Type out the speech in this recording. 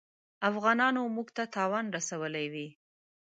افغانانو موږ ته تاوان رسولی وي.